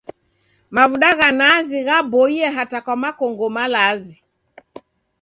Mavuda gha nazi ghaboie hata kwa makongo malazi.